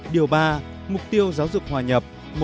điều ba mục tiêu giáo dục hòa nhập